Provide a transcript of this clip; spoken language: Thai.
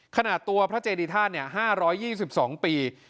ตัวพระเจดีธาตุ๕๒๒ปี